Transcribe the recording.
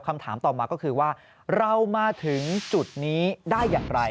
คำถามต่อมาก็คือว่าเรามาถึงจุดนี้ได้อย่างไร